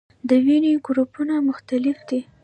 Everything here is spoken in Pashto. د وینې ګروپونه مختلف دي